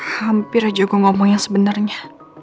hampir aja gue ngomong yang sebenarnya